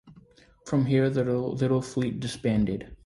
From here the little fleet disbanded.